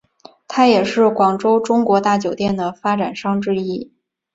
他也是广州中国大酒店的发展商之一。